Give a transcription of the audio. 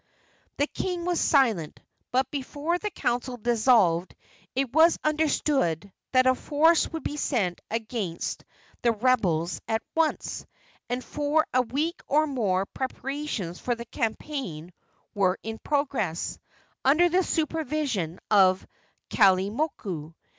The king was silent; but before the council dissolved it was understood that a force would be sent against the rebels at once, and for a week or more preparations for the campaign were in progress, under the supervision of Kalaimoku.